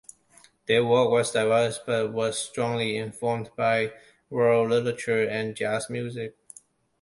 Their work was diverse but was strongly informed by world literature and jazz music.